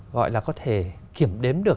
gọi là có thể kiểm đếm được